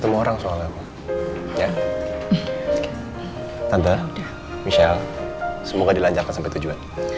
tante michelle semoga dilanjarkan sampai tujuan